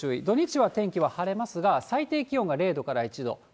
土日は天気は晴れますが、最低気温が０度から１度。